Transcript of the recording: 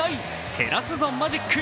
減らすぞマジック。